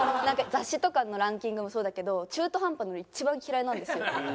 なんか雑誌とかのランキングもそうだけど中途半端なの一番嫌いなんですよ。